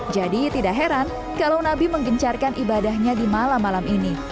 tidak heran kalau nabi menggencarkan ibadahnya di malam malam ini